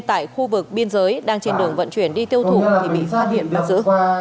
tại khu vực biên giới đang trên đường vận chuyển đi tiêu thủ thì bị bắt điện bắt giữ